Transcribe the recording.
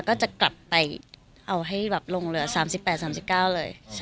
ก็จะกลับไปเอาให้ลงเหลือ๓๘๓๙เลย